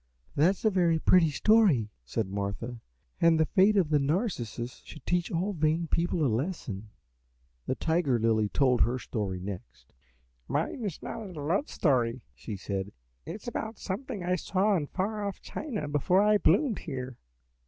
"That is a very pretty story," said Martha, "and the fate of Narcissus should teach all vain people a lesson." The Tiger Lily told her story next. "Mine is not a love story," she said; "it is about something I saw in far off China before I bloomed here.